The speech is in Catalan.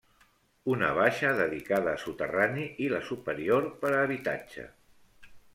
Una baixa dedicada a soterrani i la superior per a habitatge.